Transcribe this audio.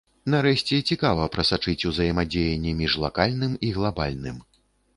Нарэшце, цікава прасачыць узаемадзеянне між лакальным і глабальным.